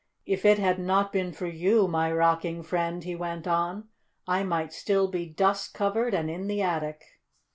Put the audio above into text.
"If it had not been for you, my rocking friend," he went on, "I might be still dust covered and in the attic."